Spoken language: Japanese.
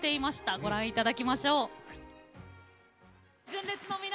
ご覧いただきましょう。